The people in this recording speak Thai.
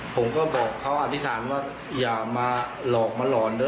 ผมก็บอกเขาอาติศานว่าอย่ามาหลอกมาหลอน